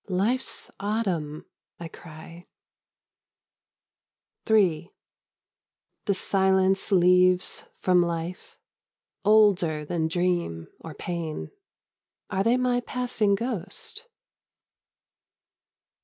" Life's autumn,'* I cry, III The silence leaves from Life, Older than dream or pain, — Are they my passing ghost